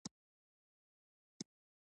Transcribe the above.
د لېوه بچی د پلار په څېر لېوه وي